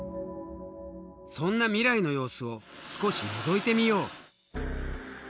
そんな未来の様子を少しのぞいてみよう。